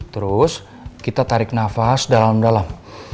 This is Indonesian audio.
terus kita tarik nafas dalam dalam